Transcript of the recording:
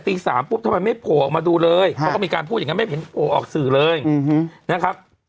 สามปุ๊บทำไมไม่โผล่ออกมาดูเลยเขาก็มีการพูดอย่างนั้นไม่เห็นออกสื่อเลยนะครับ